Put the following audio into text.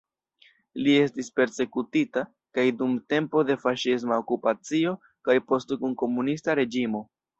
Li estis persekutita kaj dum tempo de faŝisma okupacio kaj poste dum komunista reĝimo.